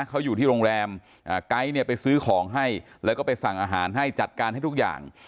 เขาอยู่ที่โรงแรมไก๊เนี่ยไปซื้อของให้แล้วก็ไปสั่งอาหารให้จัดการให้ทุกอย่าง